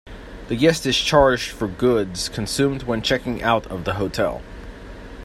The guest is charged for goods consumed when checking out of the hotel.